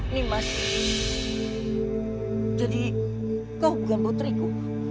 nih mas jadi kau bukan putriku